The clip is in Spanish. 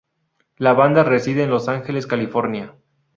La banda reside en Los Ángeles, California.